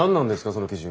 その基準。